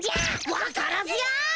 わからず屋！